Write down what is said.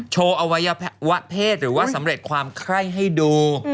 อวัยวะเพศหรือว่าสำเร็จความไคร้ให้ดู